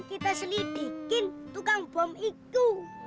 kita selidikin tukang bom itu